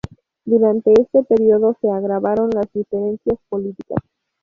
Durante este periodo, se agravaron las diferencias políticas.